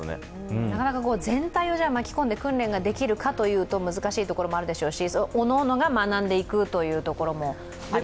なかなか全体を巻き込んで訓練ができるかというと、難しいこともあるでしょうし、おのおのが学んでいくというところもありますよね。